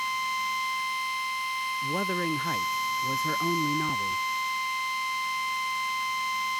"Wuthering Heights" was her only novel.